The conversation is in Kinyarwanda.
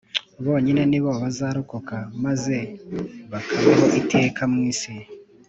bonyine ni bo bazarokoka maze bakabaho iteka mu isi